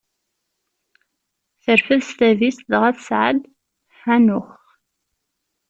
Terfed s tadist dɣa tesɛa-d Ḥanux.